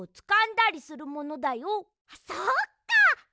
そっか。